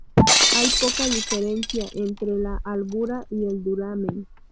Hay poca diferencia entre la albura y el duramen.